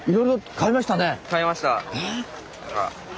買えました。